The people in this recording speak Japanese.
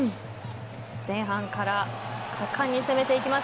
前半から果敢に攻めていきます。